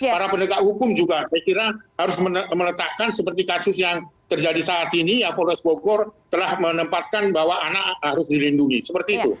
para penegak hukum juga saya kira harus meletakkan seperti kasus yang terjadi saat ini ya polres bogor telah menempatkan bahwa anak harus dilindungi seperti itu